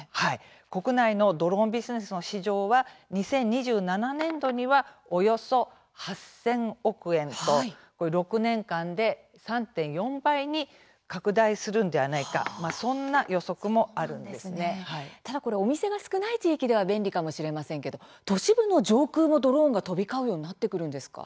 国内のドローンビジネスの市場は、２０２７年度にはおよそ８０００億円と６年間で３．４倍に拡大するんではないかただこれ、お店が少ない地域では便利かもしれませんけど都市部の上空もドローンが飛び交うようになってくるんですか？